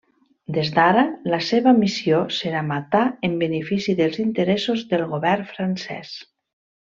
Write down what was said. Des d'ara, la seva missió serà matar en benefici dels interessos del govern francès.